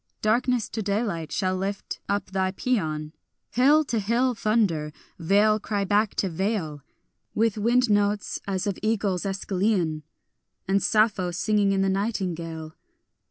Darkness to daylight shall lift up thy pæan, Hill to hill thunder, vale cry back to vale, With wind notes as of eagles Æschylean, And Sappho singing in the nightingale.